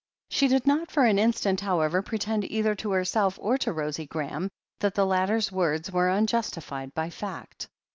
She did not for an instant, however, pretend either to herself or to Rosie Graham, that the latter's words were unjustified by fact.